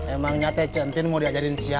emangnya teh centin mau diajarin siapa